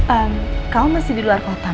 an kau masih di luar kota ma